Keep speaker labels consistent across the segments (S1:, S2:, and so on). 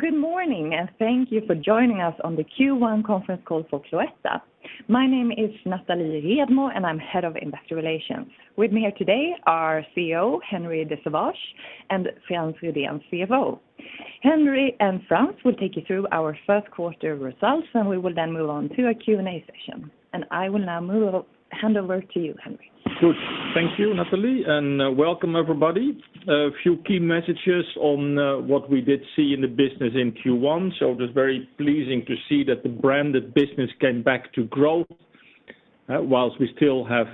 S1: Good morning, and thank you for joining us on the Q1 Conference Call for Cloetta. My name is Nathalie Redmo, and I'm Head of Investor Relations. With me here today are CEO, Henri de Sauvage, and Frans Rydén, CFO. Henri and Frans will take you through our first quarter results, and we will then move on to a Q&A session. I will now hand over to you, Henri.
S2: Good. Thank you, Nathalie, and welcome everybody. A few key messages on what we did see in the business in Q1. It was very pleasing to see that the branded business came back to growth, whilst we still have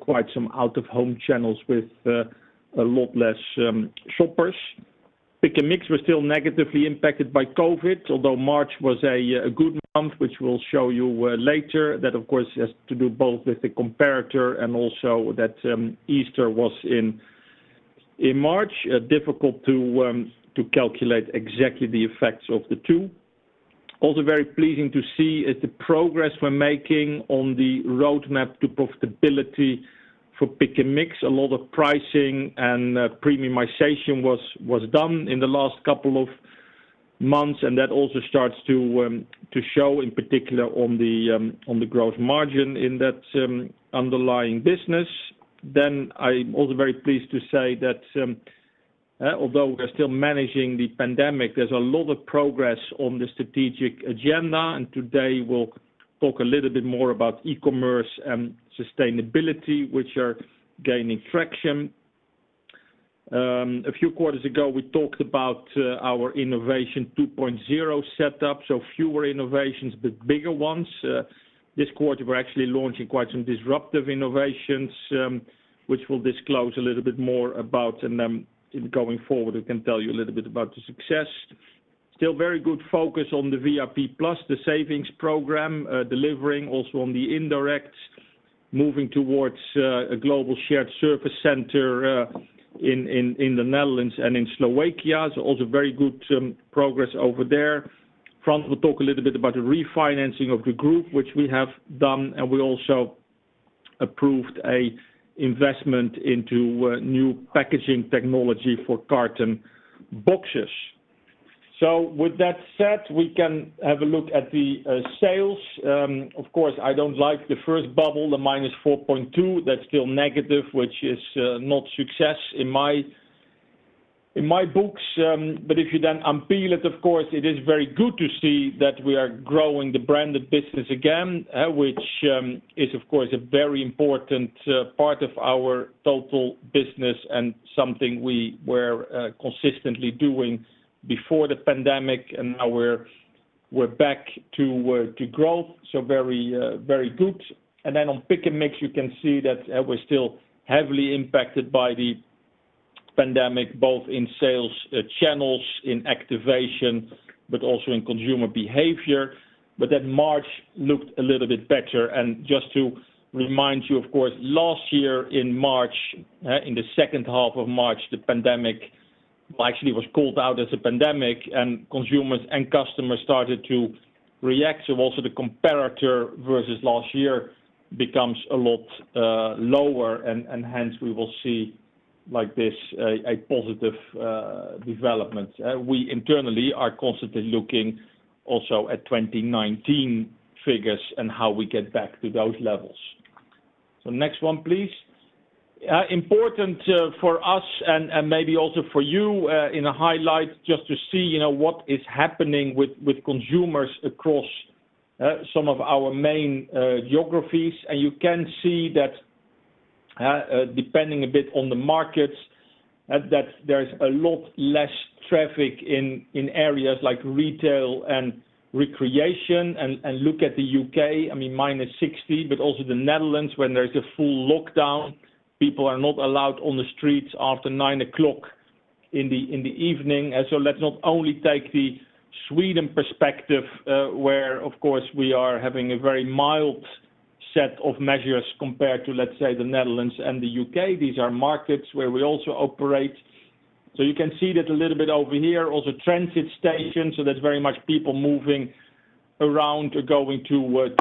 S2: quite some out-of-home channels with a lot less shoppers. Pick & Mix was still negatively impacted by COVID, although March was a good month, which we'll show you later. That of course, has to do both with the comparator and also that Easter was in March. Difficult to calculate exactly the effects of the two. Also very pleasing to see is the progress we're making on the roadmap to profitability for Pick & Mix. A lot of pricing and premiumization was done in the last couple of months, and that also starts to show in particular on the growth margin in that underlying business. I'm also very pleased to say that although we're still managing the pandemic, there's a lot of progress on the strategic agenda, and today we'll talk a little bit more about e-commerce and sustainability, which are gaining traction. A few quarters ago, we talked about our Innovation 2.0 setup, so fewer innovations, but bigger ones. This quarter we're actually launching quite some disruptive innovations, which we'll disclose a little bit more about, and then going forward, we can tell you a little bit about the success. Still very good focus on the VIP+, the savings program, delivering also on the indirect, moving towards a global shared service center in the Netherlands and in Slovakia. Also very good progress over there. Frans will talk a little bit about the refinancing of the group, which we have done, and we also approved an investment into new packaging technology for carton boxes. With that said, we can have a look at the sales. Of course, I don't like the first bubble, the -4.2. That's still negative, which is not success in my books. If you then unpeel it, of course, it is very good to see that we are growing the branded business again, which is of course a very important part of our total business and something we were consistently doing before the pandemic, and now we're back to growth. Very good. On Pick & Mix, you can see that we're still heavily impacted by the pandemic, both in sales channels, in activation, but also in consumer behavior. March looked a little bit better. Just to remind you, of course, last year in March, in the second half of March, the pandemic actually was called out as a pandemic, and consumers and customers started to react. Also the comparator versus last year becomes a lot lower, and hence we will see like this, a positive development. We internally are constantly looking also at 2019 figures and how we get back to those levels. Next one, please. Important for us and maybe also for you, in a highlight just to see what is happening with consumers across some of our main geographies. You can see that depending a bit on the markets, that there's a lot less traffic in areas like retail and recreation. Look at the U.K., I mean, -60, but also the Netherlands, when there's a full lockdown, people are not allowed on the streets after 9:00 o'clock in the evening. Let's not only take the Sweden perspective, where of course we are having a very mild set of measures compared to, let's say, the Netherlands and the U.K. These are markets where we also operate. You can see that a little bit over here, also transit stations, so there's very much people moving around or going to work.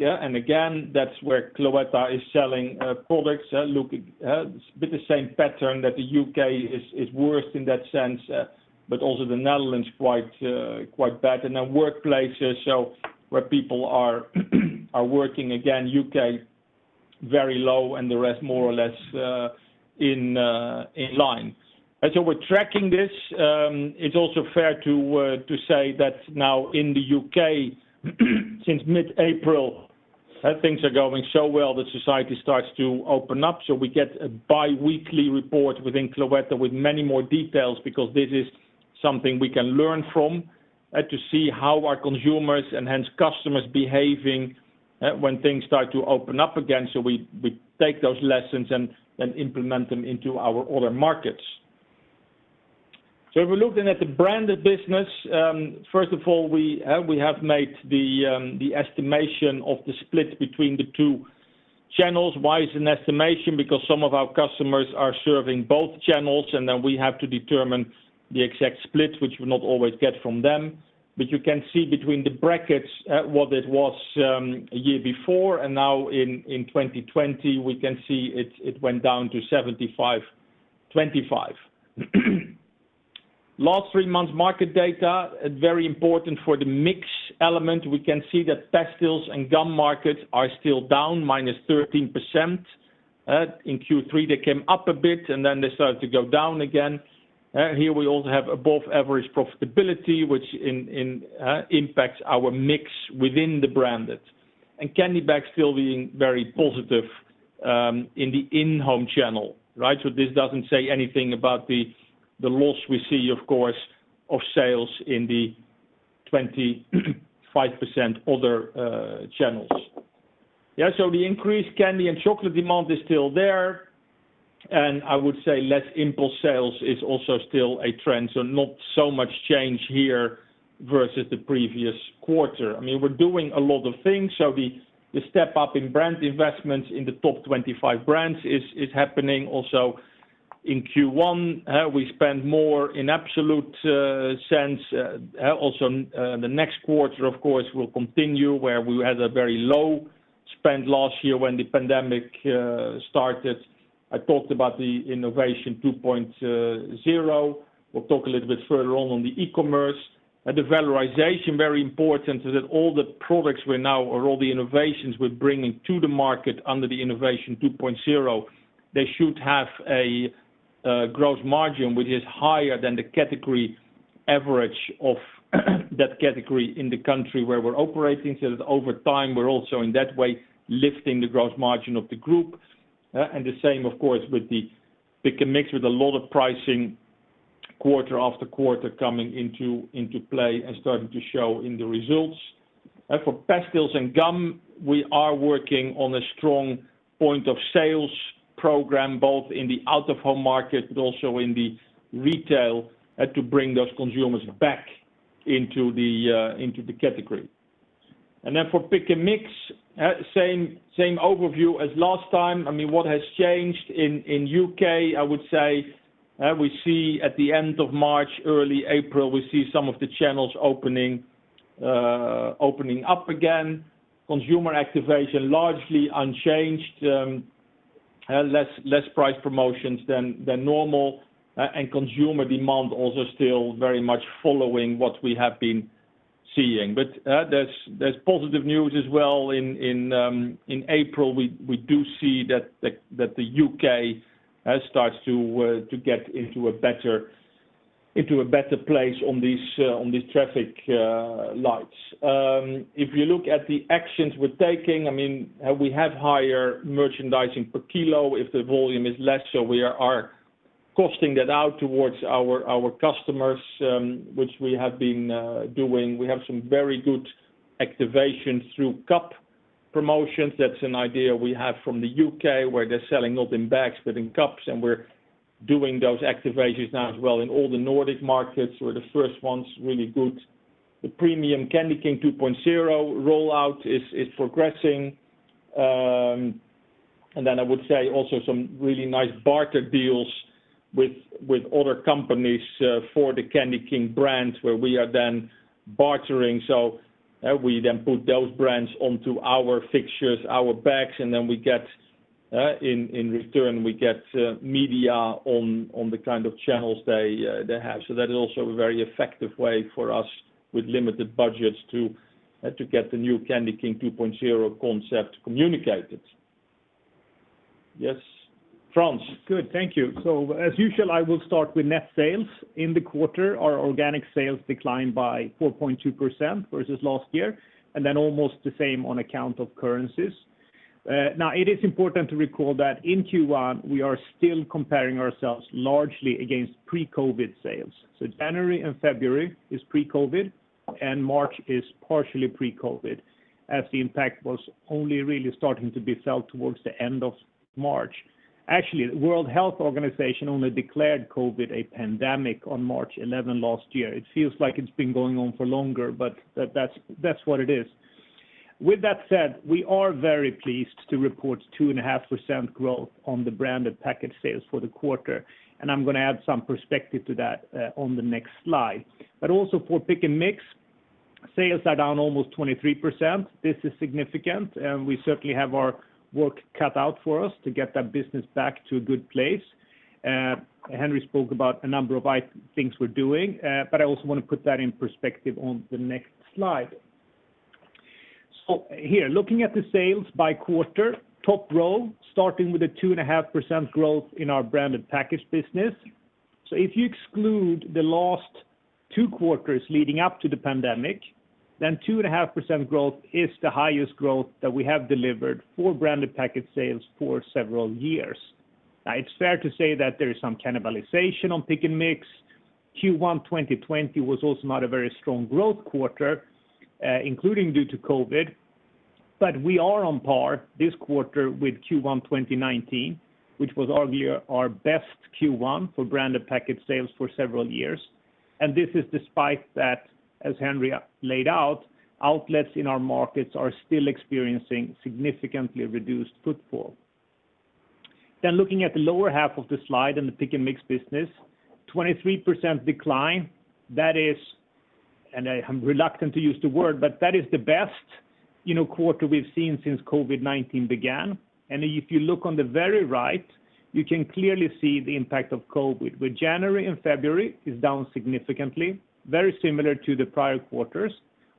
S2: Again, that's where Cloetta is selling products. A bit the same pattern that the U.K. is worse in that sense, but also the Netherlands quite bad. Then workplaces, so where people are working again, U.K., very low, and the rest more or less in line. We're tracking this. It's also fair to say that now in the U.K., since mid-April, things are going so well that society starts to open up. We get a biweekly report within Cloetta with many more details because this is something we can learn from to see how our consumers and hence customers behaving when things start to open up again. We take those lessons and implement them into our other markets. If we're looking at the branded business, first of all, we have made the estimation of the split between the two channels. Why is an estimation? Because some of our customers are serving both channels, and then we have to determine the exact split, which we not always get from them. You can see between the brackets what it was a year before, and now in 2020, we can see it went down to 75/25. Last three months market data is very important for the mix element. We can see that pastilles and gum markets are still down -13%. In Q3, they came up a bit, then they started to go down again. Here we also have above-average profitability, which impacts our mix within the branded. Candy bags still being very positive in the in-home channel. This doesn't say anything about the loss we see, of course, of sales in the 25% other channels. The increased candy and chocolate demand is still there, and I would say less impulse sales is also still a trend. Not so much change here versus the previous quarter. We're doing a lot of things. The step up in brand investments in the top 25 brands is happening also in Q1. We spend more in absolute sense. Also, in the next quarter, of course, we'll continue where we had a very low spend last year when the pandemic started. I talked about the Innovation 2.0. We'll talk a little bit further on the e-commerce. The valorization, very important, is that all the products we're now, or all the innovations we're bringing to the market under the Innovation 2.0, they should have a gross margin which is higher than the category average of that category in the country where we're operating. That over time, we're also, in that way, lifting the gross margin of the group. The same, of course, with the Pick & Mix, with a lot of pricing quarter after quarter coming into play and starting to show in the results. For pastilles and gum, we are working on a strong point of sales program, both in the out-of-home market but also in the retail, to bring those consumers back into the category. For Pick & Mix, same overview as last time. What has changed in U.K., I would say, we see at the end of March, early April, we see some of the channels opening up again. Consumer activation, largely unchanged. Less price promotions than normal. Consumer demand also still very much following what we have been seeing. There's positive news as well. In April, we do see that the U.K. has started to get into a better place on these traffic lights. If you look at the actions we're taking, we have higher merchandising per kilo if the volume is less, we are costing that out towards our customers, which we have been doing. We have some very good activation through cup promotions. That's an idea we have from the U.K., where they're selling not in bags, but in cups, and we're doing those activations now as well in all the Nordic markets. We're the first ones. Really good. The premium Candyking 2.0 rollout is progressing. I would say also some really nice barter deals with other companies for the Candyking brand, where we are then bartering. We then put those brands onto our fixtures, our bags, and then in return, we get media on the kind of channels they have. That is also a very effective way for us with limited budgets to get the new Candyking 2.0 concept communicated. Yes, Frans.
S3: Good. Thank you. As usual, I will start with net sales. In the quarter, our organic sales declined by 4.2% versus last year, and then almost the same on account of currencies. It is important to recall that in Q1, we are still comparing ourselves largely against pre-COVID sales. January and February is pre-COVID, and March is partially pre-COVID, as the impact was only really starting to be felt towards the end of March. Actually, the World Health Organization only declared COVID a pandemic on March 11 last year. It feels like it's been going on for longer, but that's what it is. With that said, we are very pleased to report 2.5% growth on the branded packet sales for the quarter, and I'm going to add some perspective to that on the next slide. Also for Pick & Mix, sales are down almost 23%. This is significant. We certainly have our work cut out for us to get that business back to a good place. Henri spoke about a number of things we're doing. I also want to put that in perspective on the next slide. Here, looking at the sales by quarter, top row, starting with the 2.5% growth in our branded packet business. If you exclude the last two quarters leading up to the pandemic, then 2.5% growth is the highest growth that we have delivered for branded packet sales for several years. Now, it's fair to say that there is some cannibalization on Pick & Mix. Q1 2020 was also not a very strong growth quarter, including due to COVID-19, but we are on par this quarter with Q1 2019, which was arguably our best Q1 for branded packet sales for several years. This is despite that, as Henri laid out, outlets in our markets are still experiencing significantly reduced footfall. Looking at the lower half of the slide in the Pick & Mix business, 23% decline. I am reluctant to use the word, but that is the best quarter we've seen since COVID-19 began. If you look on the very right, you can clearly see the impact of COVID, where January and February is down significantly, very similar to the prior quarters.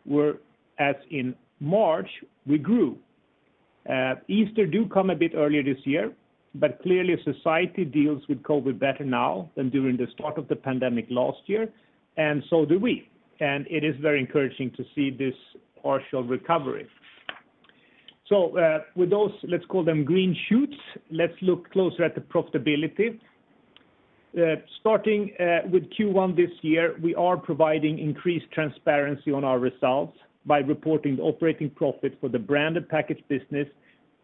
S3: Whereas in March, we grew. Easter do come a bit earlier this year, but clearly society deals with COVID better now than during the start of the pandemic last year, and so do we, and it is very encouraging to see this partial recovery. With those, let's call them green shoots, let's look closer at the profitability. Starting with Q1 this year, we are providing increased transparency on our results by reporting the operating profit for the branded packaged business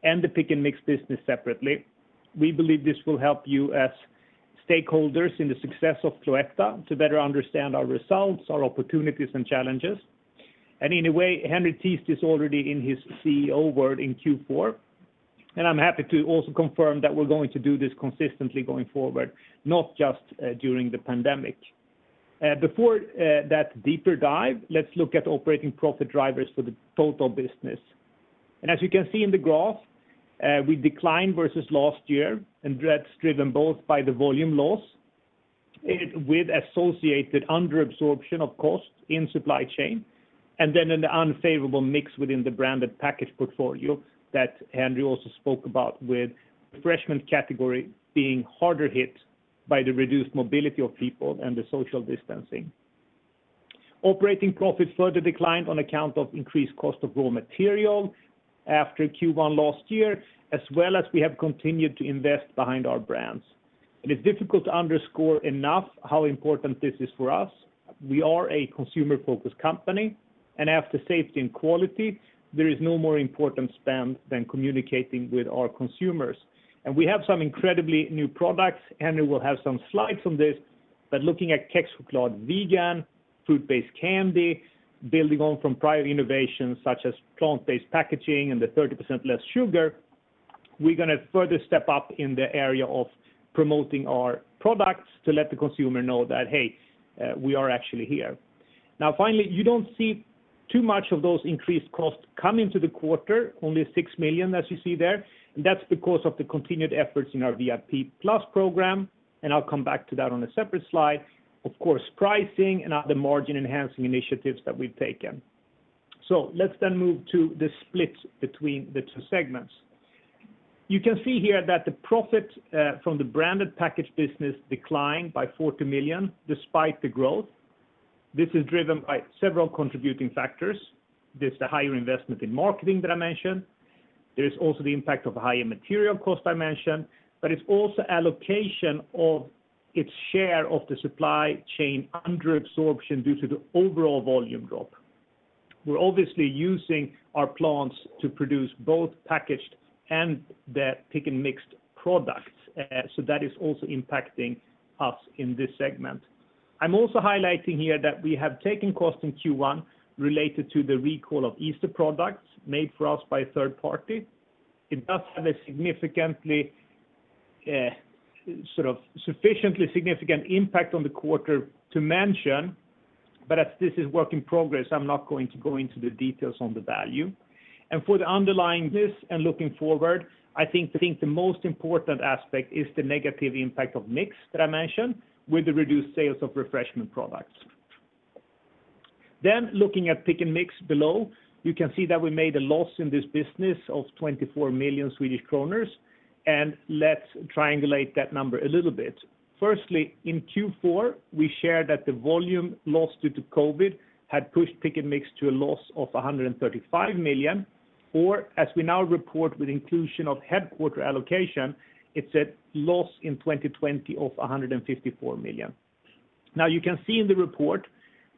S3: and the Pick & Mix business separately. We believe this will help you as stakeholders in the success of Cloetta to better understand our results, our opportunities, and challenges. In a way, Henri teased this already in his CEO word in Q4, and I'm happy to also confirm that we're going to do this consistently going forward, not just during the pandemic. Before that deeper dive, let's look at operating profit drivers for the total business. As you can see in the graph, we declined versus last year, and that's driven both by the volume loss, with associated under-absorption of costs in supply chain, and then in the unfavorable mix within the branded packaged portfolio that Henri also spoke about with refreshment category being harder hit by the reduced mobility of people and the social distancing. Operating profits further declined on account of increased cost of raw material after Q1 last year, as well as we have continued to invest behind our brands. It is difficult to underscore enough how important this is for us. We are a consumer-focused company, and after safety and quality, there is no more important spend than communicating with our consumers. We have some incredibly new products. Henri will have some slides on this, looking at Kexchoklad Vegan, fruit-based candy, building on from prior innovations such as plant-based packaging and the 30% less sugar, we're going to further step up in the area of promoting our products to let the consumer know that, hey, we are actually here. Finally, you don't see too much of those increased costs come into the quarter, only 6 million, as you see there. That's because of the continued efforts in our VIP+ program, I'll come back to that on a separate slide. Of course, pricing and other margin-enhancing initiatives that we've taken. Let's move to the split between the two segments. You can see here that the profit from the branded packaged business declined by 40 million despite the growth. This is driven by several contributing factors. There's the higher investment in marketing that I mentioned. There's also the impact of higher material cost I mentioned. It's also allocation of its share of the supply chain under absorption due to the overall volume drop. We're obviously using our plants to produce both packaged and the Pick & Mix products. That is also impacting us in this segment. I'm also highlighting here that we have taken cost in Q1 related to the recall of Easter products made for us by a third party. It does have a sufficiently significant impact on the quarter to mention. As this is work in progress, I'm not going to go into the details on the value. For the underlying this and looking forward, I think the most important aspect is the negative impact of mix that I mentioned with the reduced sales of refreshment products. Looking at Pick & Mix below, you can see that we made a loss in this business of 24 million Swedish kronor. Let's triangulate that number a little bit. Firstly, in Q4, we shared that the volume lost due to COVID-19 had pushed Pick & Mix to a loss of 135 million, or as we now report with inclusion of headquarter allocation, it's a loss in 2020 of 154 million. You can see in the report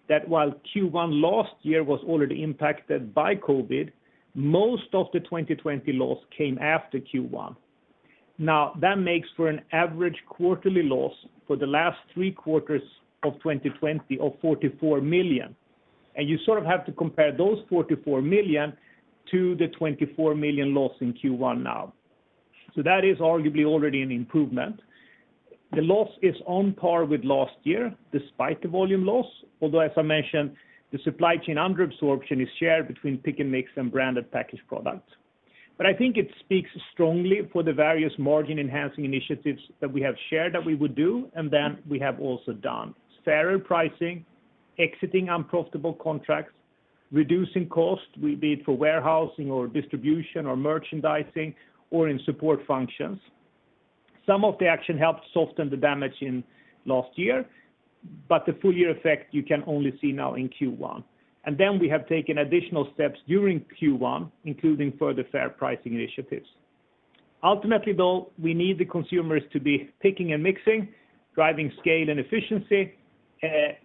S3: that while Q1 last year was already impacted by COVID-19, most of the 2020 loss came after Q1. That makes for an average quarterly loss for the last three quarters of 2020 of 44 million. You sort of have to compare those 44 million to the 24 `million loss in Q1 now. That is arguably already an improvement. The loss is on par with last year despite the volume loss, although, as I mentioned, the supply chain under absorption is shared between Pick & Mix and branded packaged products. I think it speaks strongly for the various margin-enhancing initiatives that we have shared that we would do, and then we have also done. Fair pricing, exiting unprofitable contracts, reducing costs, be it for warehousing or distribution or merchandising or in support functions. Some of the action helped soften the damage in last year, but the full year effect you can only see now in Q1. We have taken additional steps during Q1, including further fair pricing initiatives. Ultimately, though, we need the consumers to be picking and mixing, driving scale and efficiency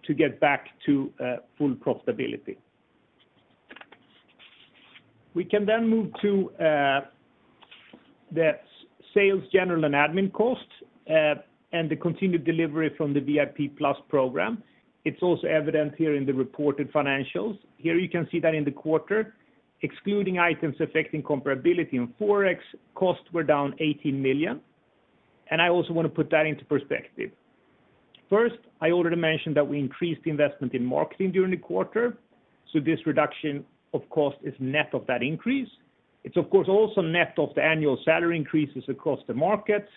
S3: to get back to full profitability. We can move to the sales general and admin costs and the continued delivery from the VIP+ program. It is also evident here in the reported financials. You can see that in the quarter, excluding items affecting comparability and forex, costs were down 18 million. I also want to put that into perspective. First, I already mentioned that we increased investment in marketing during the quarter, so this reduction of cost is net of that increase. It is of course also net of the annual salary increases across the markets.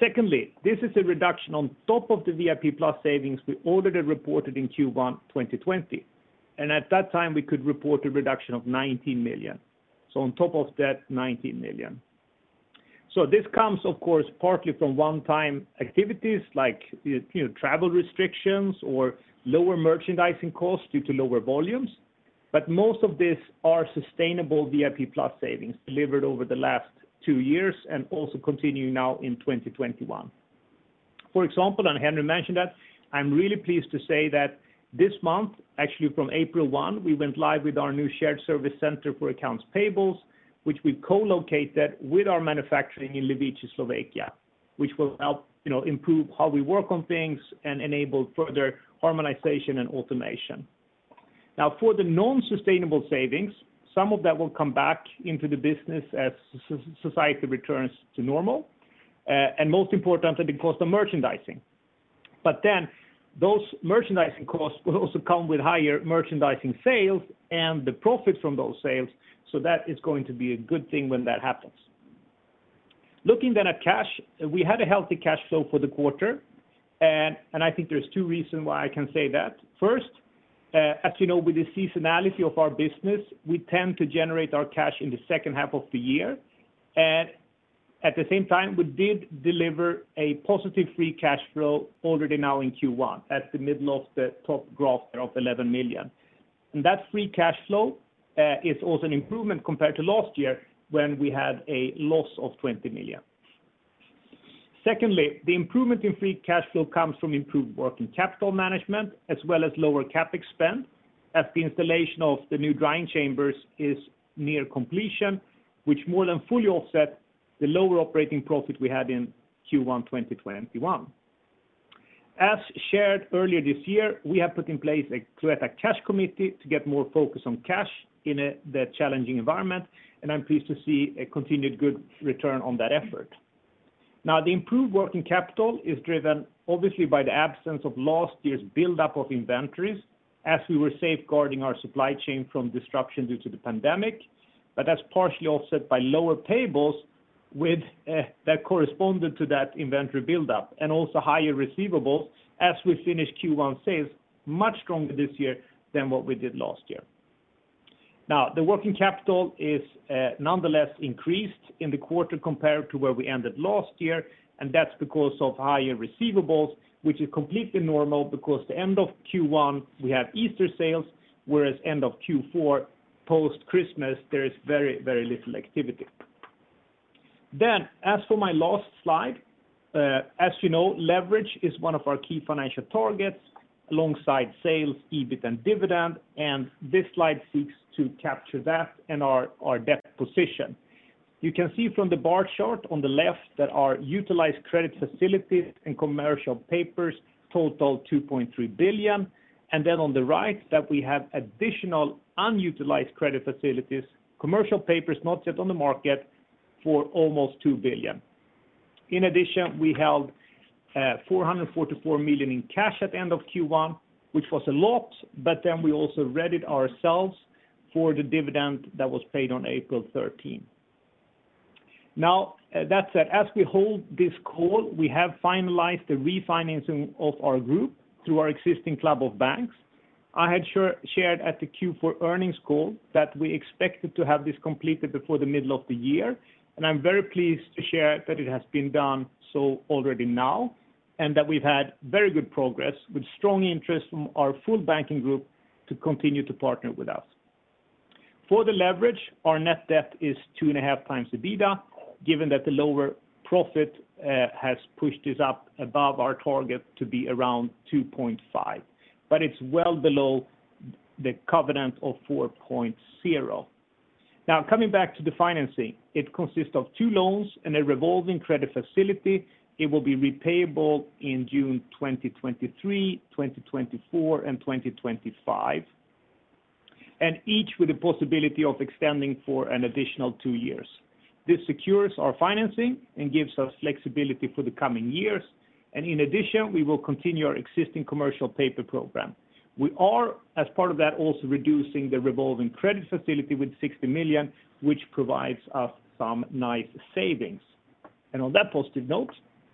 S3: Secondly, this is a reduction on top of the VIP+ savings we already reported in Q1 2020, and at that time we could report a reduction of 19 million. On top of that 19 million. This comes, of course, partly from one-time activities like travel restrictions or lower merchandising costs due to lower volumes, but most of these are sustainable VIP+ savings delivered over the last two years and also continuing now in 2021. For example, Henri mentioned that, I'm really pleased to say that this month, actually from April 1, we went live with our new shared service center for accounts payables, which we co-located with our manufacturing in Levice, Slovakia, which will help improve how we work on things and enable further harmonization and automation. For the non-sustainable savings, some of that will come back into the business as society returns to normal, and most importantly, because the merchandising, those merchandising costs will also come with higher merchandising sales and the profit from those sales, that is going to be a good thing when that happens. Looking at cash, we had a healthy cash flow for the quarter. I think there's two reasons why I can say that. First, as you know, with the seasonality of our business, we tend to generate our cash in the second half of the year. We did deliver a positive free cash flow already now in Q1. That's the middle of the top graph there of 11 million. That free cash flow is also an improvement compared to last year when we had a loss of 20 million. The improvement in free cash flow comes from improved working capital management as well as lower CapEx spend, as the installation of the new drying chambers is near completion, which more than fully offset the lower operating profit we had in Q1 2021. As shared earlier this year, we have put in place a Cloetta cash committee to get more focus on cash in the challenging environment, and I'm pleased to see a continued good return on that effort. The improved working capital is driven obviously by the absence of last year's buildup of inventories as we were safeguarding our supply chain from disruption due to the pandemic. That's partially offset by lower payables that corresponded to that inventory buildup and also higher receivables as we finished Q1 sales much stronger this year than what we did last year. The working capital is nonetheless increased in the quarter compared to where we ended last year, and that's because of higher receivables, which is completely normal because the end of Q1, we have Easter sales, whereas end of Q4, post-Christmas, there is very little activity. As for my last slide, as you know, leverage is one of our key financial targets alongside sales, EBIT, and dividend, and this slide seeks to capture that and our debt position. You can see from the bar chart on the left that our utilized credit facilities and commercial papers total 2.3 billion, and then on the right that we have additional unutilized credit facilities, commercial papers not yet on the market, for almost 2 billion. In addition, we held 444 million in cash at the end of Q1, which was a lot, but then we also readied ourselves for the dividend that was paid on April 13. That said, as we hold this call, we have finalized the refinancing of our group through our existing club of banks. I had shared at the Q4 earnings call that we expected to have this completed before the middle of the year. I'm very pleased to share that it has been done so already now, that we've had very good progress with strong interest from our full banking group to continue to partner with us. For the leverage, our net debt is 2.5x the EBITDA, given that the lower profit has pushed us up above our target to be around 2.5. It's well below the covenant of 4.0. Coming back to the financing, it consists of two loans and a revolving credit facility. It will be repayable in June 2023, 2024, and 2025, each with the possibility of extending for an additional two years. This secures our financing and gives us flexibility for the coming years, in addition, we will continue our existing commercial paper program. We are, as part of that, also reducing the revolving credit facility with 60 million, which provides us some nice savings. On that positive note,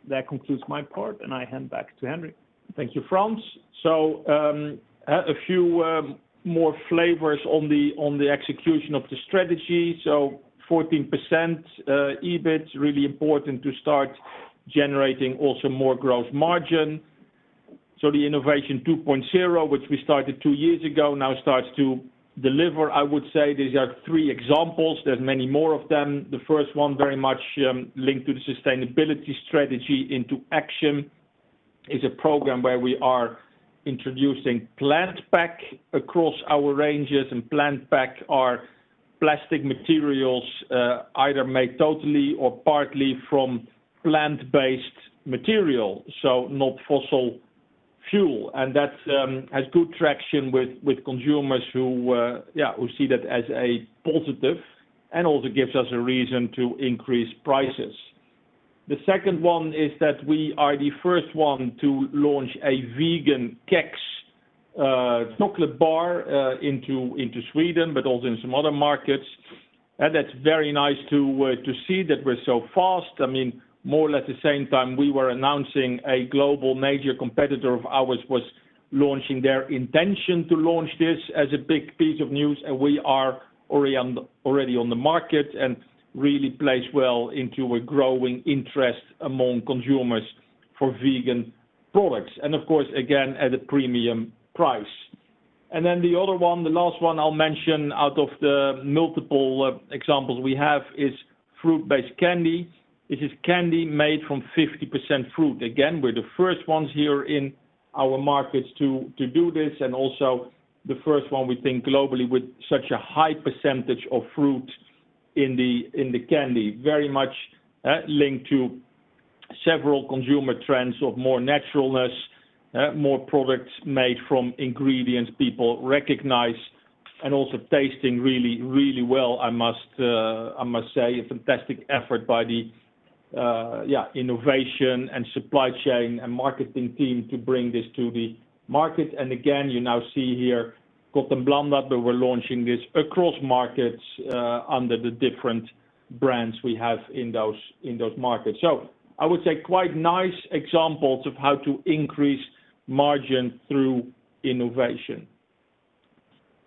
S3: that concludes my part, I hand back to Henri.
S2: Thank you, Frans. A few more flavors on the execution of the strategy. 14% EBIT, really important to start generating also more growth margin. The Innovation 2.0, which we started two years ago, now starts to deliver, I would say. These are three examples. There is many more of them. The first one, very much linked to the sustainability strategy into action, is a program where we are introducing PlantPack across our ranges, and PlantPack are plastic materials either made totally or partly from plant-based material, so not fossil fuel, and that has good traction with consumers who see that as a positive, and also gives us a reason to increase prices. The second one is that we are the first one to launch a vegan Kexchoklad into Sweden, but also in some other markets. That's very nice to see that we're so fast. More or less the same time we were announcing, a global major competitor of ours was launching their intention to launch this as a big piece of news, and we are already on the market and really plays well into a growing interest among consumers for vegan products. Of course, again, at a premium price. Then the other one, the last one I'll mention out of the multiple examples we have, is fruit-based candy. This is candy made from 50% fruit. Again, we're the first ones here in our markets to do this, and also the first one we think globally with such a high percentage of fruit in the candy. Very much linked to several consumer trends of more naturalness, more products made from ingredients people recognize, and also tasting really well, I must say. A fantastic effort by the innovation and supply chain and marketing team to bring this to the market. Again, you now see here, Gott & Blandat, that we're launching this across markets under the different brands we have in those markets. I would say quite nice examples of how to increase margin through innovation.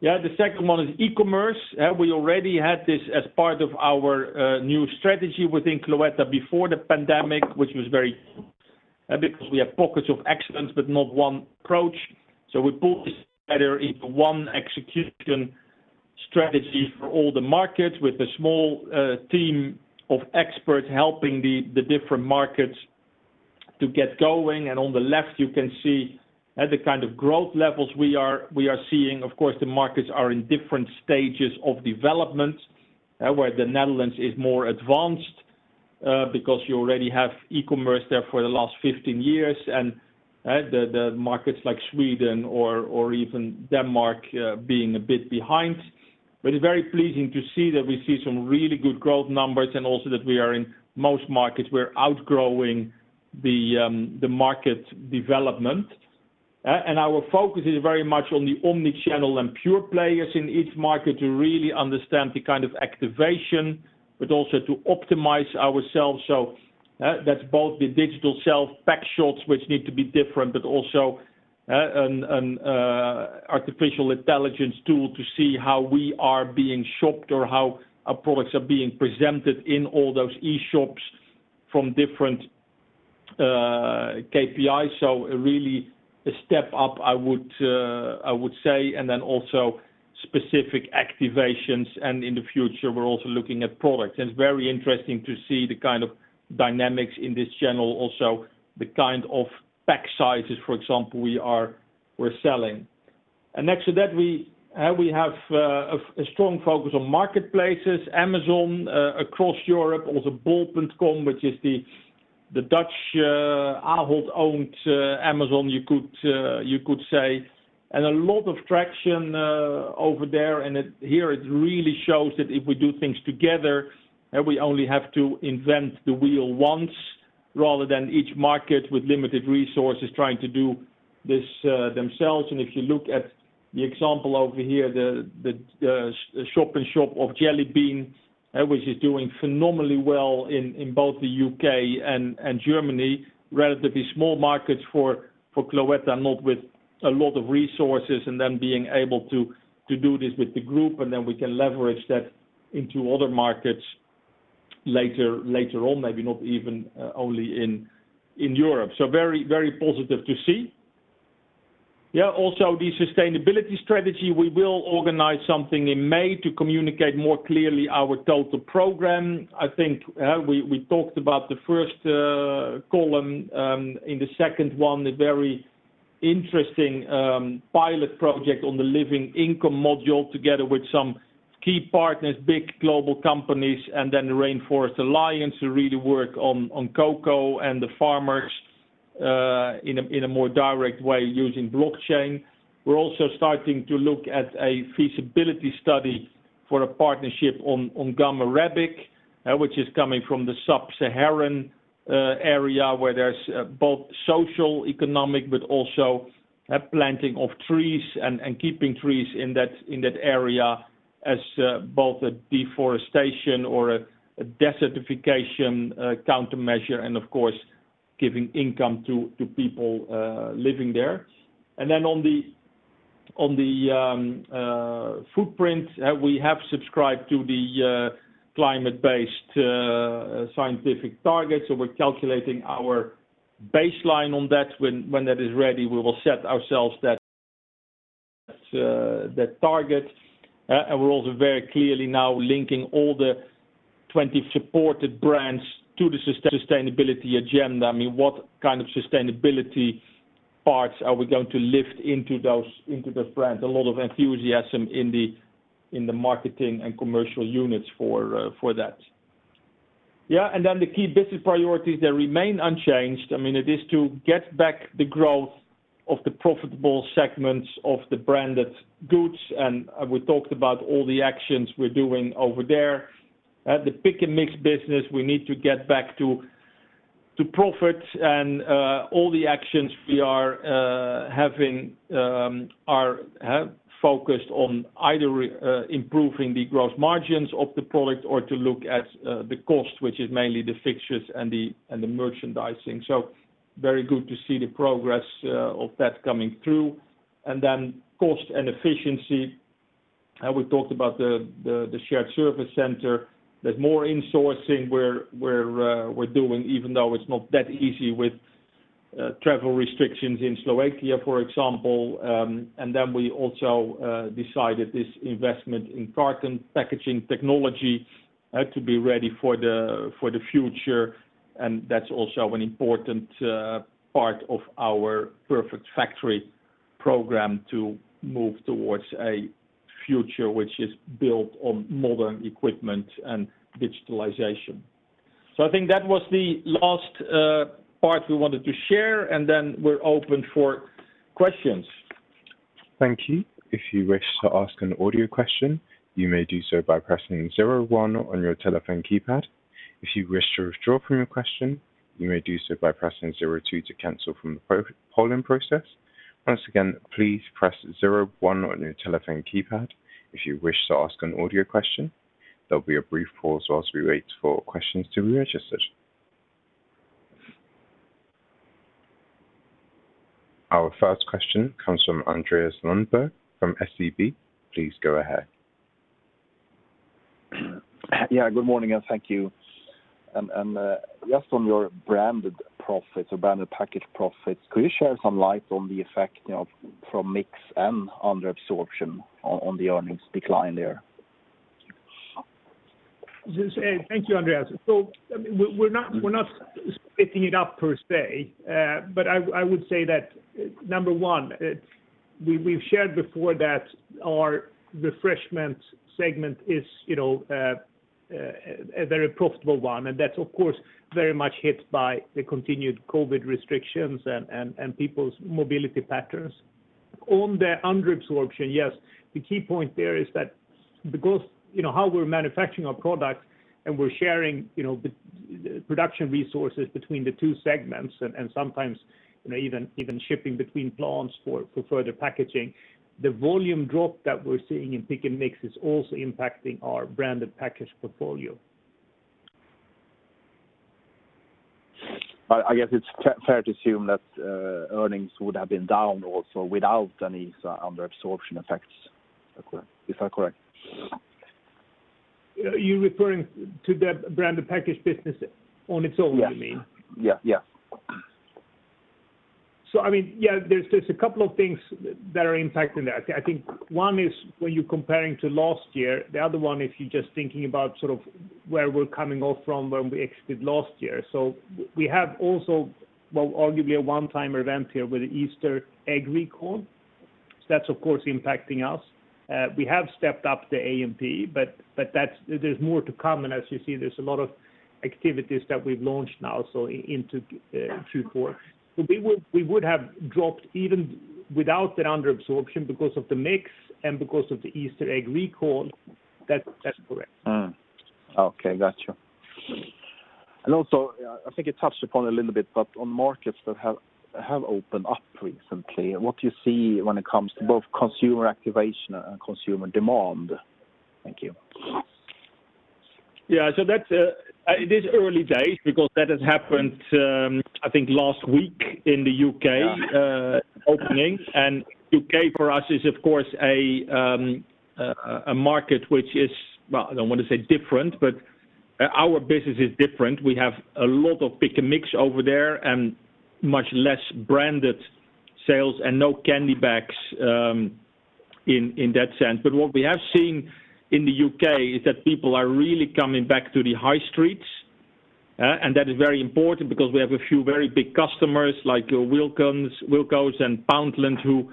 S2: The second one is e-commerce. We already had this as part of our new strategy within Cloetta before the pandemic, because we have pockets of excellence, but not one approach. We put this together into one execution strategy for all the markets with a small team of experts helping the different markets to get going. On the left, you can see the kind of growth levels we are seeing. The markets are in different stages of development, where the Netherlands is more advanced because you already have e-commerce there for the last 15 years, and the markets like Sweden or even Denmark being a bit behind. Very pleasing to see that we see some really good growth numbers and also that we are in most markets, we're outgrowing the market development. Our focus is very much on the omni-channel and pure players in each market to really understand the kind of activation, but also to optimize ourselves. That's both the digital shelf, pack shots which need to be different, but also an artificial intelligence tool to see how we are being shopped or how our products are being presented in all those e-shops from different KPIs. Really a step up, I would say. Also specific activations. In the future, we're also looking at products. It's very interesting to see the kind of dynamics in this channel. Also, the kind of pack sizes, for example, we're selling. Next to that, we have a strong focus on marketplaces, Amazon across Europe, also Bol.com, which is the Dutch Ahold-owned Amazon, you could say. A lot of traction over there. Here it really shows that if we do things together, we only have to invent the wheel once rather than each market with limited resources trying to do this themselves. If you look at the example over here, the shop in shop of Jelly Bean, which is doing phenomenally well in both the U.K. and Germany, relatively small markets for Cloetta, not with a lot of resources, and then being able to do this with the group, and then we can leverage that into other markets later on, maybe not even only in Europe. Very positive to see. The sustainability strategy. We will organize something in May to communicate more clearly our total program. I think we talked about the first column. The second one, a very interesting pilot project on the living income module together with some key partners, big global companies, and then the Rainforest Alliance to really work on cocoa and the farmers in a more direct way using blockchain. We're also starting to look at a feasibility study for a partnership on gum arabic, which is coming from the Sub-Saharan area where there's both social, economic, but also planting of trees and keeping trees in that area as both a deforestation or a desertification countermeasure, and of course, giving income to people living there. On the footprint, we have subscribed to the climate-based scientific target. We're calculating our baseline on that. When that is ready, we will set ourselves that target. We're also very clearly now linking all the 20 supported brands to the sustainability agenda. I mean, what kind of sustainability parts are we going to lift into those brands? A lot of enthusiasm in the marketing and commercial units for that. Yeah, the key business priorities, they remain unchanged. It is to get back the growth of the profitable segments of the branded goods. We talked about all the actions we're doing over there. At the Pick & Mix business, we need to get back to profits. All the actions we are having are focused on either improving the gross margins of the product or to look at the cost, which is mainly the fixtures and the merchandising. Very good to see the progress of that coming through. Cost and efficiency. We talked about the shared service center. There's more insourcing we're doing, even though it's not that easy with travel restrictions in Slovakia, for example. We also decided this investment in carton packaging technology had to be ready for the future. That's also an important part of our perfect factory program to move towards a future which is built on modern equipment and digitalization. I think that was the last part we wanted to share, and then we're open for questions.
S4: Our first question comes from Andreas Lundberg from SEB. Please go ahead.
S5: Yeah, good morning, and thank you. Just on your branded profits or branded package profits, could you share some light on the effect from mix and under absorption on the earnings decline there?
S3: Thank you, Andreas. We're not splitting it up per se. I would say that, number one, we've shared before that our refreshment segment is a very profitable one, and that's of course very much hit by the continued COVID restrictions and people's mobility patterns. On the under absorption, yes, the key point there is that because how we're manufacturing our products and we're sharing the production resources between the two segments and sometimes even shipping between plants for further packaging, the volume drop that we're seeing in Pick & Mix is also impacting our branded package portfolio.
S5: I guess it's fair to assume that earnings would have been down also without any under absorption effects. Is that correct?
S3: You're referring to that branded package business on its own, you mean?
S5: Yeah.
S3: Yeah, there's a couple of things that are impacting that. I think one is when you're comparing to last year, the other one, if you're just thinking about sort of where we're coming off from when we executed last year. We have also, well, arguably a one-time event here with the Easter egg recall. That's of course impacting us. We have stepped up the A&MP, but there's more to come. As you see, there's a lot of activities that we've launched now, into Q4. We would have dropped even without the under absorption because of the mix and because of the Easter egg recall. That's correct.
S5: Okay, got you. Also, I think it touched upon a little bit, but on markets that have opened up recently, what do you see when it comes to both consumer activation and consumer demand? Thank you.
S2: Yeah. It is early days because that has happened, I think last week in the U.K., opening. U.K. for us is of course a market which is, well, I don't want to say different, but our business is different. We have a lot of Pick & Mix over there and much less branded sales and no candy bags in that sense. What we have seen in the U.K. is that people are really coming back to the high streets. That is very important because we have a few very big customers like Wilko and Poundland who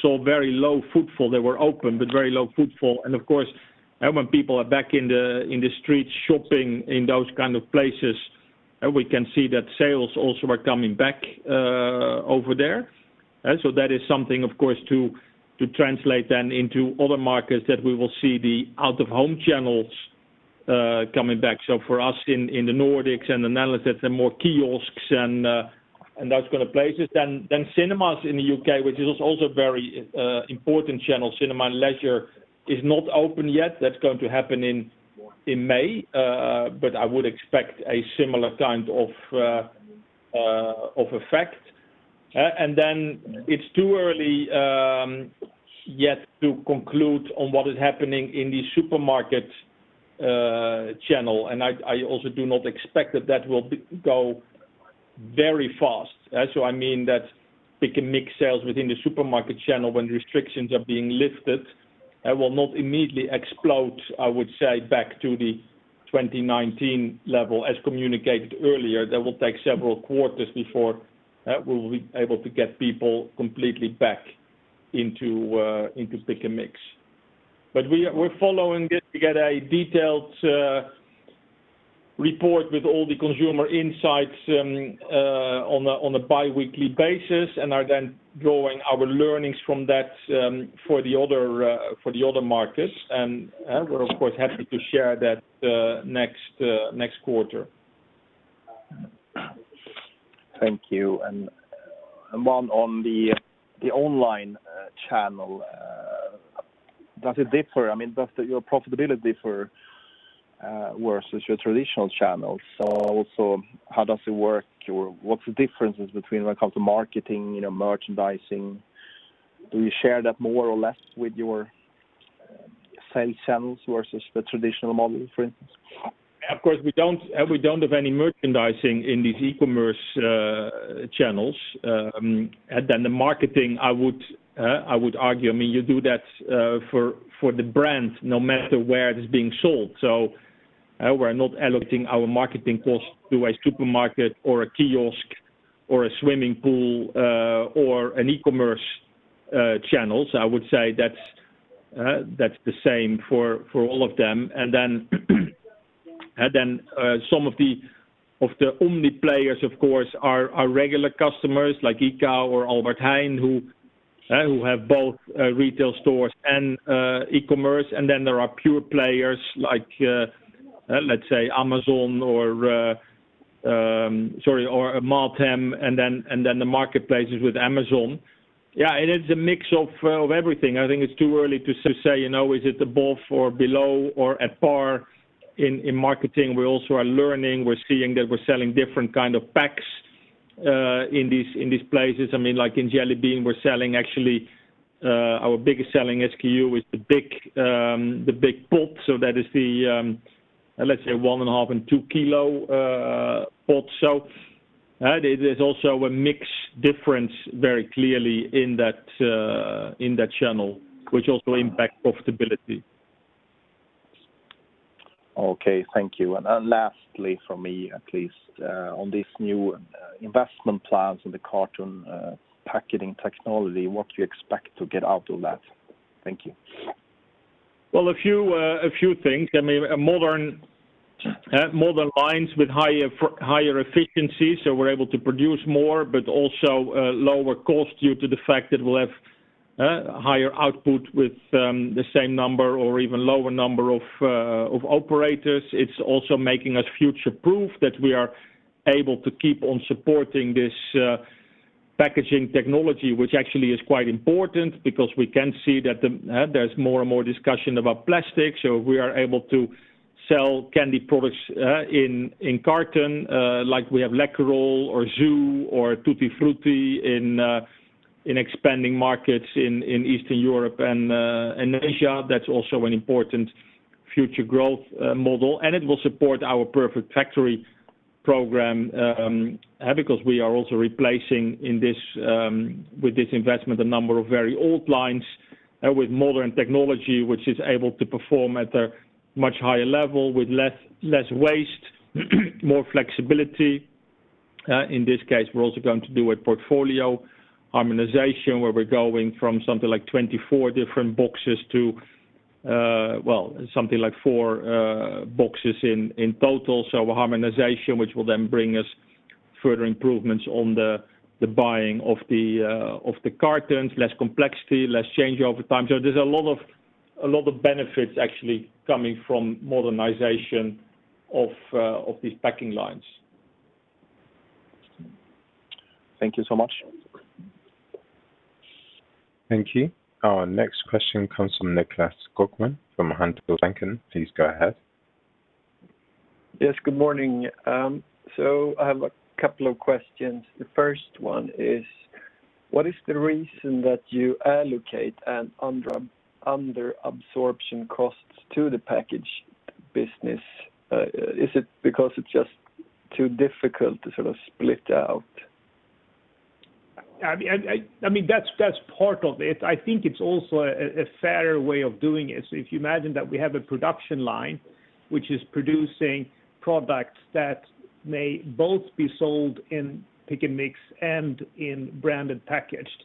S2: saw very low footfall. They were open, but very low footfall. Of course, when people are back in the streets shopping in those kind of places, we can see that sales also are coming back over there. That is something, of course, to translate then into other markets that we will see the out-of-home channels coming back. For us in the Nordics and the Netherlands, they're more kiosks and those kind of places than cinemas in the U.K., which is also very important channel. Cinema and leisure is not open yet. That's going to happen in May. I would expect a similar kind of effect. Then it's too early yet to conclude on what is happening in the supermarket channel. I also do not expect that that will go very fast. I mean that Pick & Mix sales within the supermarket channel when restrictions are being lifted, will not immediately explode, I would say back to the 2019 level as communicated earlier. That will take several quarters before we'll be able to get people completely back into Pick & Mix. We're following it. We get a detailed report with all the consumer insights on a biweekly basis, and are then drawing our learnings from that for the other markets. We're of course, happy to share that next quarter.
S5: Thank you. One on the online channel. Does it differ? Does your profitability differ versus your traditional channels? How does it work, or what's the differences between when it comes to marketing, merchandising? Do you share that more or less with your sales channels versus the tradition`al model, for instance?
S2: Of course, we don't have any merchandising in these e-commerce channels. The marketing, I would argue, you do that for the brand, no matter where it is being sold. We're not allocating our marketing costs to a supermarket or a kiosk or a swimming pool, or an e-commerce channel. I would say that's the same for all of them. Some of the omni players, of course, are regular customers like ICA or Albert Heijn, who have both retail stores and e-commerce. There are pure players like, let's say Amazon or Mathem, and then the marketplaces with Amazon. Yeah, it is a mix of everything. I think it's too early to say, is it above or below or at par in marketing? We also are learning, we're seeing that we're selling different kind of packs in these places. In Jelly Bean, we're selling actually, our biggest selling SKU is the big pot. That is the, let's say one and a half and two kilo pot. There's also a mix difference very clearly in that channel, which also impacts profitability.
S5: Okay, thank you. Lastly from me at least, on these new investment plans in the carton packaging technology, what do you expect to get out of that? Thank you.
S2: Well, a few things. Modern lines with higher efficiency, so we're able to produce more, but also lower cost due to the fact that we'll have higher output with the same number or even lower number of operators. It's also making us future-proof that we are able to keep on supporting this packaging technology, which actually is quite important because we can see that there's more and more discussion about plastic. We are able to sell candy products in carton, like we have Läkerol or Zoo or Tutti Frutti in expanding markets in Eastern Europe and Asia. That's also an important future growth model, and it will support our perfect factory program, because we are also replacing with this investment, a number of very old lines with modern technology, which is able to perform at a much higher level with less waste, more flexibility. In this case, we're also going to do a portfolio harmonization where we're going from something like 24 different boxes to something like four boxes in total. A harmonization, which will then bring us further improvements on the buying of the cartons, less complexity, less change over time. There's a lot of benefits actually coming from modernization of these packing lines.
S5: Thank you so much.
S4: Thank you. Our next question comes from Nicklas Skogman from Handelsbanken. Please go ahead.
S6: Yes, good morning. I have a couple of questions. The first one is, what is the reason that you allocate an under-absorption costs to the package business? Is it because it's just too difficult to sort of split out?
S3: That's part of it. I think it's also a fairer way of doing it. If you imagine that we have a production line, which is producing products that may both be sold in Pick & Mix and in branded packaged.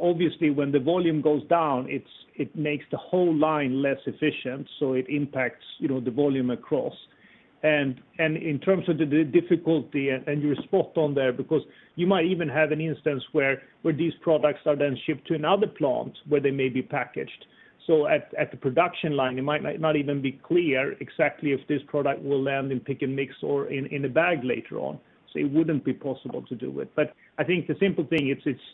S3: Obviously when the volume goes down, it makes the whole line less efficient, so it impacts the volume across. In terms of the difficulty, and you're spot on there, because you might even have an instance where these products are then shipped to another plant where they may be packaged. At the production line, it might not even be clear exactly if this product will land in Pick & Mix or in a bag later on. It wouldn't be possible to do it. I think the simple thing,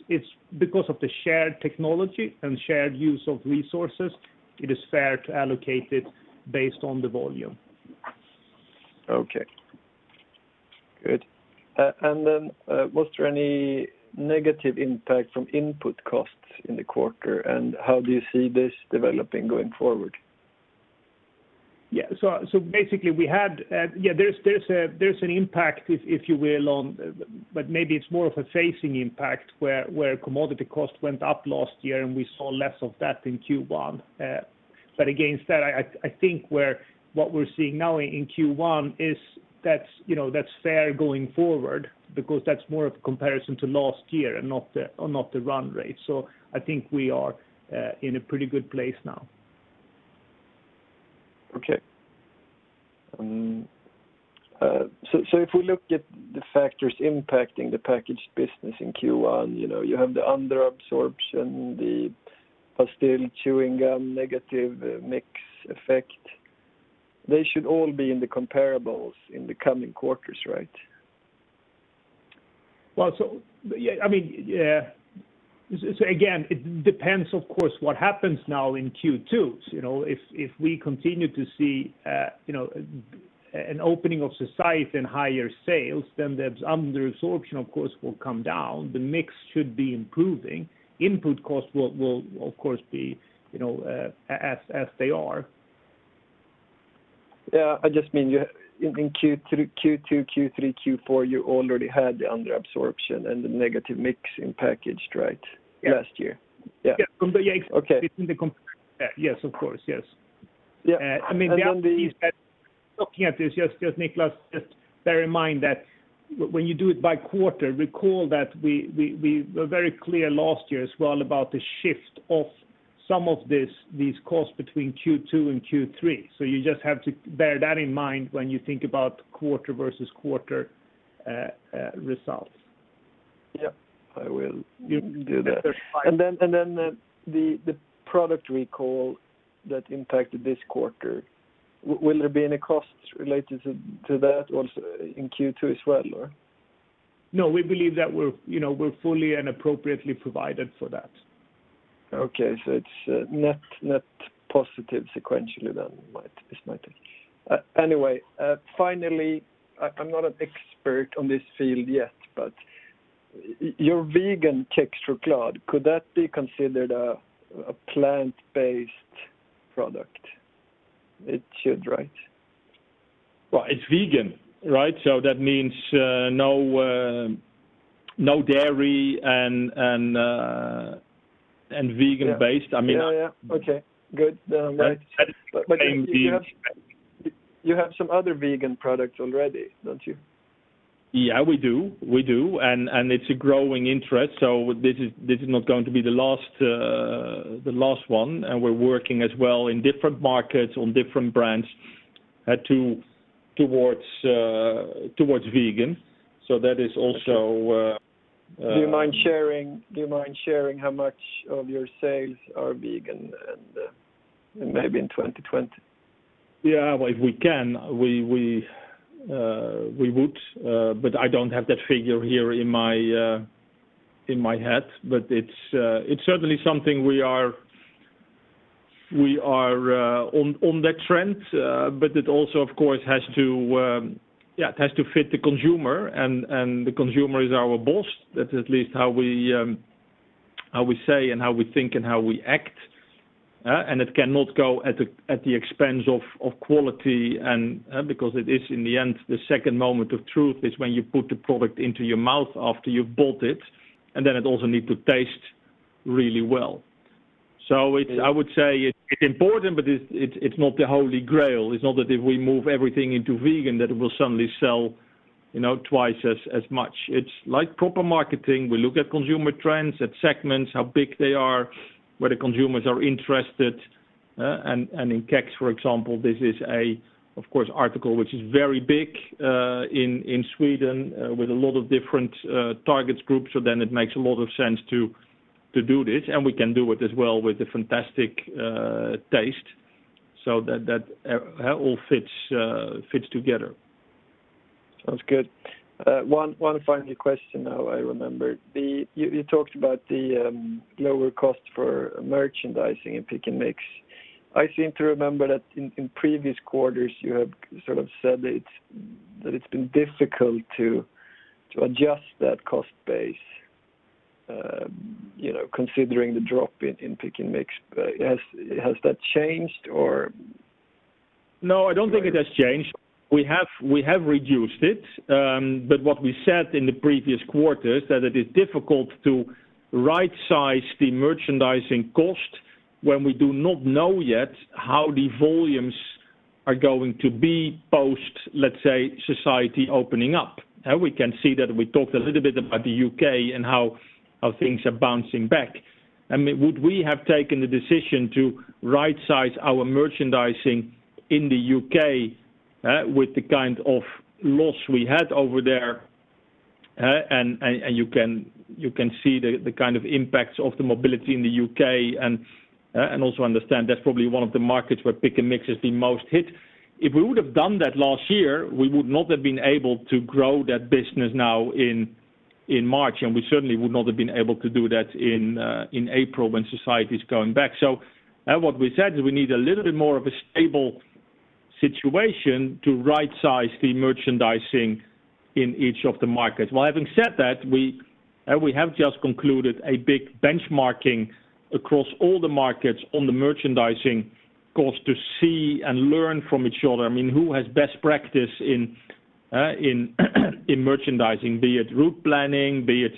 S3: it's because of the shared technology and shared use of resources, it is fair to allocate it based on the volume.
S6: Okay. Good. Then, was there any negative impact from input costs in the quarter? How do you see this developing going forward?
S3: Basically, there's an impact, if you will, on But maybe it's more of a facing impact where commodity cost went up last year and we saw less of that in Q1. Against that, I think what we're seeing now in Q1 is that's fair going forward because that's more of a comparison to last year and not the run rate. I think we are in a pretty good place now.
S6: Okay. If we look at the factors impacting the packaged business in Q1, you have the under-absorption, the pastille, chewing gum, negative mix effect. They should all be in the comparables in the coming quarters, right?
S3: Again, it depends, of course, what happens now in Q2. If we continue to see an opening of society and higher sales, the under-absorption of course, will come down. The mix should be improving. Input costs will, of course, be as they are.
S6: Yeah, I just mean in Q2, Q3, Q4, you already had the under-absorption and the negative mix in packaged, right?
S3: Yeah.
S6: Last year. Yeah.
S3: Yeah.
S6: Okay.
S3: Yes, of course. Yes.
S6: Yeah.
S3: Looking at this, just Nicklas, just bear in mind that when you do it by quarter, recall that we were very clear last year as well about the shift of some of these costs between Q2 and Q3. You just have to bear that in mind when you think about quarter versus quarter results.
S6: Yeah. I will do that.
S3: That's fine.
S6: The product recall that impacted this quarter, will there be any costs related to that also in Q2 as well, or?
S3: No, we believe that we're fully and appropriately provided for that.
S6: Okay. It's net positive sequentially then is my take. Anyway, finally, I'm not an expert on this field yet, but your vegan Kex, Klaas, could that be considered a plant-based product? It should, right?
S2: Well, it's vegan, right? That means no dairy and vegan-based.
S6: Yeah. Okay, good. Right.
S2: That is the same.
S6: You have some other vegan products already, don't you?
S2: Yeah, we do. We do. It's a growing interest. This is not going to be the last one. We're working as well in different markets on different brands towards vegan.
S6: Do you mind sharing how much of your sales are vegan and maybe in 2020?
S2: If we can, we would, but I don't have that figure here in my head. It's certainly something we are on that trend. It also, of course, has to fit the consumer, and the consumer is our boss. That's at least how we say and how we think and how we act. It cannot go at the expense of quality and because it is in the end, the second moment of truth is when you put the product into your mouth after you've bought it, and then it also need to taste really well. I would say it's important, but it's not the holy grail. It's not that if we move everything into vegan, that it will suddenly sell twice as much. It's like proper marketing. We look at consumer trends, at segments, how big they are, where the consumers are interested. In Kex, for example, this is a, of course, article which is very big in Sweden with a lot of different target groups. It makes a lot of sense to do this, and we can do it as well with the fantastic taste so that all fits together.
S6: Sounds good. One final question now I remember. You talked about the lower cost for merchandising and Pick & Mix. I seem to remember that in previous quarters, you have sort of said that it's been difficult to adjust that cost base considering the drop in Pick & Mix. Has that changed or?
S2: No, I don't think it has changed. What we said in the previous quarters, that it is difficult to right-size the merchandising cost when we do not know yet how the volumes are going to be post, let's say, society opening up. We can see that we talked a little bit about the U.K. and how things are bouncing back. Would we have taken the decision to right-size our merchandising in the U.K. with the kind of loss we had over there, and you can see the kind of impacts of the mobility in the U.K., and also understand that's probably one of the markets where Pick & Mix has been most hit. If we would have done that last year, we would not have been able to grow that business now in March, and we certainly would not have been able to do that in April when society's going back. What we said is we need a little bit more of a stable situation to right-size the merchandising in each of the markets. While having said that, we have just concluded a big benchmarking across all the markets on the merchandising cost to see and learn from each other. Who has best practice in merchandising, be it route planning, be it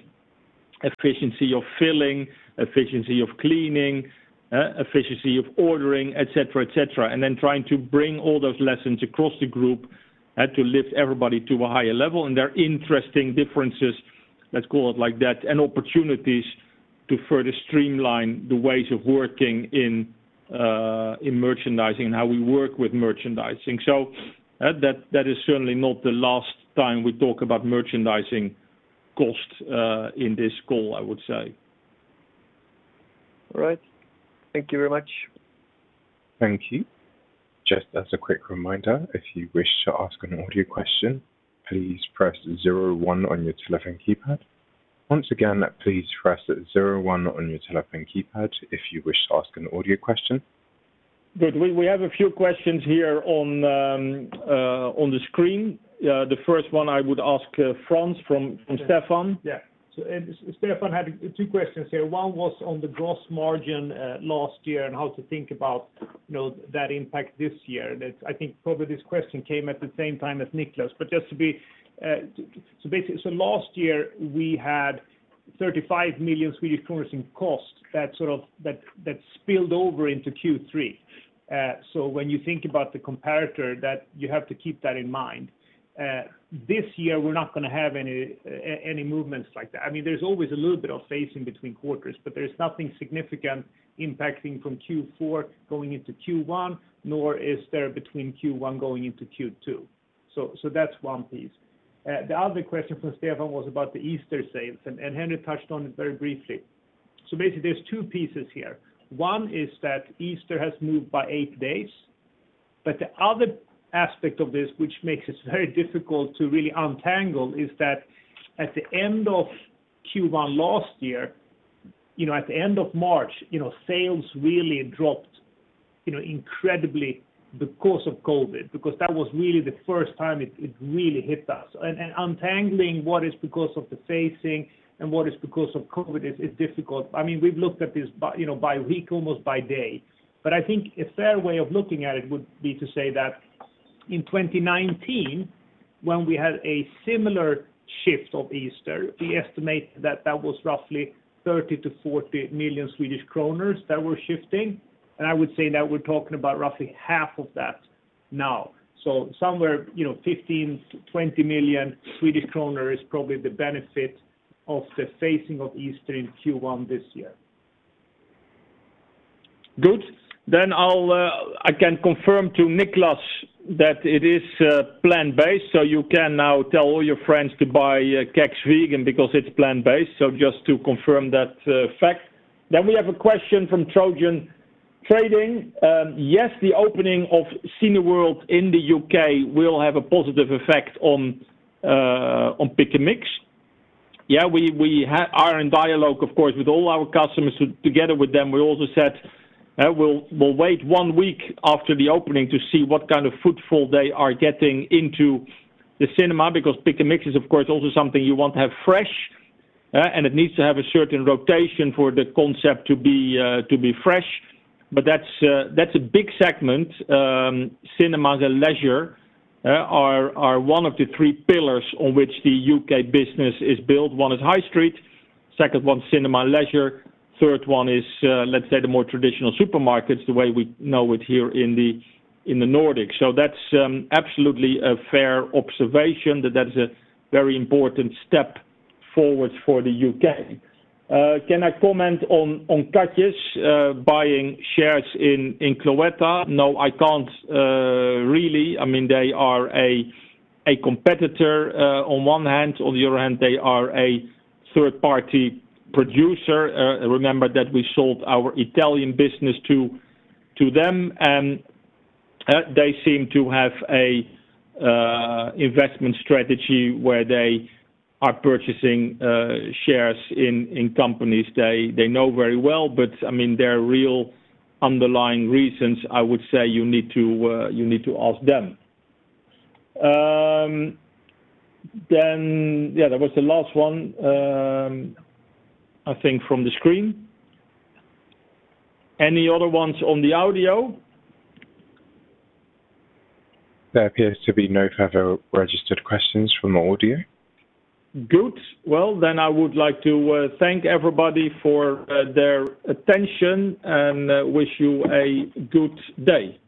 S2: efficiency of filling, efficiency of cleaning, efficiency of ordering, et cetera. Then trying to bring all those lessons across the group, and to lift everybody to a higher level. There are interesting differences, let's call it like that, and opportunities to further streamline the ways of working in merchandising and how we work with merchandising. That is certainly not the last time we talk about merchandising costs in this call, I would say.
S6: All right. Thank you very much.
S4: Thank you. Just as a quick reminder, if you wish to ask an audio question, please press zero one on your telephone keypad. Once again, please press zero one on your telephone keypad if you wish to ask an audio question.
S2: Good. We have a few questions here on the screen. The first one I would ask Frans from Stifel.
S3: Yeah. Stifel had two questions here. One was on the gross margin last year and how to think about that impact this year. That I think probably this question came at the same time as Nicklas. Last year we had 35 million Swedish kronor in cost that spilled over into Q3. When you think about the comparator, you have to keep that in mind. This year we're not going to have any movements like that. There's always a little bit of phasing between quarters, but there is nothing significant impacting from Q4 going into Q1, nor is there between Q1 going into Q2. That's one piece. The other question from Stifel was about the Easter sales, and Henri touched on it very briefly. Basically there's two pieces here. One is that Easter has moved by eight days. The other aspect of this, which makes it very difficult to really untangle, is that at the end of Q1 last year, at the end of March, sales really dropped incredibly because of COVID, because that was really the first time it really hit us. Untangling what is because of the phasing and what is because of COVID is difficult. We've looked at this by week, almost by day. I think a fair way of looking at it would be to say that in 2019, when we had a similar shift of Easter, we estimate that that was roughly 30 million-40 million Swedish kronor that were shifting. I would say that we're talking about roughly half of that now. Somewhere 15 million-20 million Swedish kronor is probably the benefit of the phasing of Easter in Q1 this year.
S2: Good. I can confirm to Nicklas that it is plant-based, so you can now tell all your friends to buy Kexchoklad Vegan because it's plant-based. Just to confirm that fact. We have a question from Trojan Trading. Yes, the opening of Cineworld in the U.K. will have a positive effect on Pick & Mix. Yeah, we are in dialogue, of course, with all our customers. Together with them, we also said we'll wait one week after the opening to see what kind of footfall they are getting into the cinema, because Pick & Mix is, of course, also something you want to have fresh, and it needs to have a certain rotation for the concept to be fresh. That's a big segment. Cinema as a leisure are one of the three pillars on which the U.K. business is built. One is high street, second one, cinema and leisure, third one is, let's say the more traditional supermarkets, the way we know it here in the Nordic. That's absolutely a fair observation, that is a very important step forward for the U.K. Can I comment on Katjes buying shares in Cloetta? No, I can't really. They are a competitor on one hand. On the other hand, they are a third-party producer. Remember that we sold our Italian business to them, and they seem to have a investment strategy where they are purchasing shares in companies they know very well. Their real underlying reasons, I would say you need to ask them. Yeah, that was the last one, I think, from the screen. Any other ones on the audio?
S4: There appears to be no further registered questions from audio.
S2: Good. Well, I would like to thank everybody for their attention and wish you a good day.